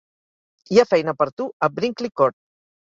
Hi ha feina per a tu a Brinkley Court.